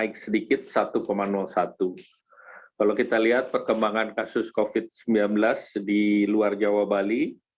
kalau kita lihat perkembangan kasus covid sembilan belas di luar jawa bali